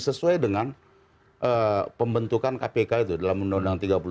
berkait dengan pembentukan kpk itu dalam uu tiga puluh tahun dua ribu dua